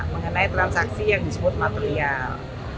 mengenai transaksi yang disebut material